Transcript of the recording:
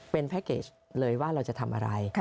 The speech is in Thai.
เป็นแพ็คเกจเลยว่าเราจะทำอะไร